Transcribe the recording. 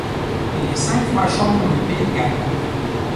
Il est cinq fois champion du pays de Galles.